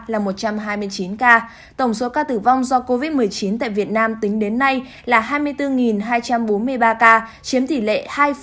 là một trăm hai mươi chín ca tổng số ca tử vong do covid một mươi chín tại việt nam tính đến nay là hai mươi bốn hai trăm bốn mươi ba ca chiếm tỷ lệ hai ba